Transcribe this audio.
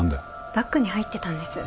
バッグに入ってたんです。